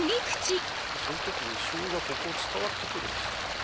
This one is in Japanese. その時にしょうゆがここを伝わってくるんですね。